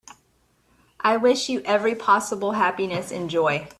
I wish you every possible happiness and joy.